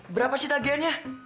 berapa sih tagihannya